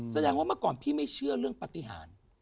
แสดงว่าเมื่อก่อนพี่ไม่เชื่อเรื่องปฏิหาร